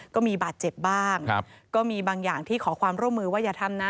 ก็มีบาดเจ็บบ้างก็มีบางอย่างที่ขอความร่วมมือว่าอย่าทำนะ